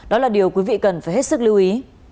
đó là điều quý vị cần phải hết sức lưu ý